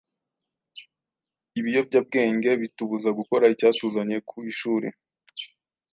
Ibiyobyabwenge bitubuza gukora icyatuzanye ku ishuri.